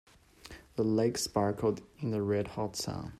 The lake sparkled in the red hot sun.